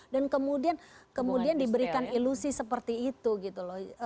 dan kemudian diberikan ilusi seperti itu gitu loh